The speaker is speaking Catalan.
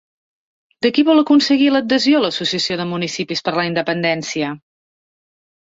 De qui vol aconseguir l'adhesió l'Associació de Municipis per la Independència?